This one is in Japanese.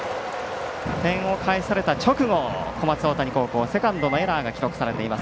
点を返された直後小松大谷高校、セカンドのエラーが記録されています。